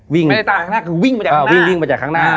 ไม่ได้ตามจากข้างหน้าคือวิ่งมาจากข้างหน้า